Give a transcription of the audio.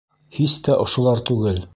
Һис тә ошолар түгел.